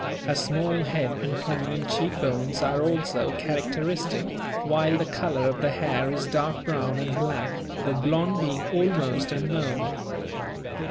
A small head and prominent cheek bones are also characteristic, while the colour of the hair is dark brown and black, the blond being almost unknown.